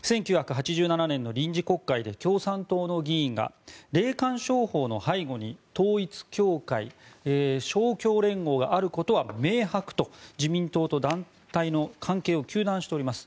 １９８７年の臨時国会で共産党の議員が霊感商法の背後に統一教会、勝共連合があることは明白と、自民党と団体の関係を糾弾しております。